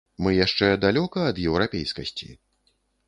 Мы яшчэ далёка ад еўрапейскасці?